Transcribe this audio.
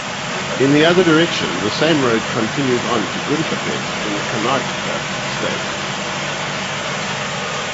In the other direction, the same road continues on towards Gundlupet in Karnataka State.